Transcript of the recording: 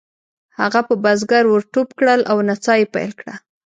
هغه په بزګر ور ټوپ کړل او نڅا یې پیل کړه.